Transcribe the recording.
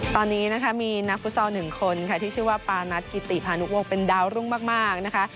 ตอนนี้นะคะมีนักฟุตซอลหนึ่งคนค่ะที่ชื่อว่าปานัทกิติพานุวงศ์เป็นดาวรุ่งมากนะคะ